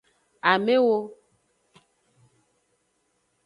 Amewo.